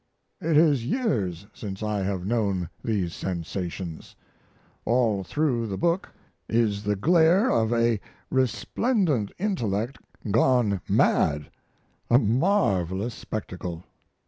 It is years since I have known these sensations. All through the book is the glare of a resplendent intellect gone mad a marvelous spectacle.